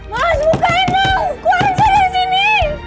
mas bukain dong keluarin saya dari sini